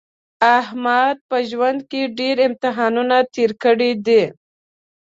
احمد په ژوند کې ډېر امتحانونه تېر کړي دي.